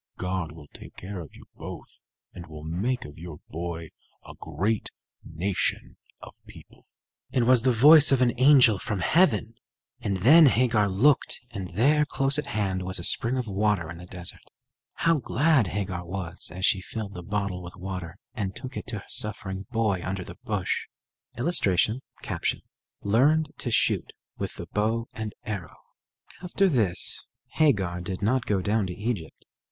God will take care of you both, and will make of your boy a great nation of people." It was the voice of an angel from heaven; and then Hagar looked, and there, close at hand, was a spring of water in the desert. How glad Hagar was as she filled the bottle with water and took it to her suffering boy under the bush! [Illustration: Learned to shoot with the bow and arrow] After this Hagar did not go down to Egypt.